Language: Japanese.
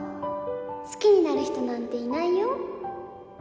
好きになる人なんていないよ